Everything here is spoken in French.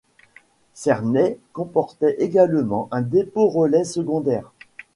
Cernay comportait également un dépôt-relais secondaire.